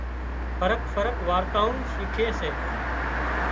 فرق فرق وارتائون شيکي سي